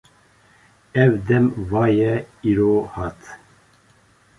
Ew dem va ye îro hat.